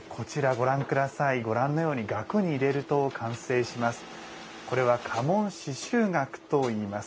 ご覧のように額に入れると完成します。